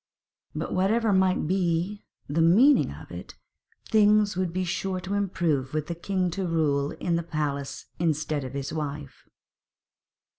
But whatever might be the meaning of it, things would be sure to improve with the king to rule in the palace instead of his wife.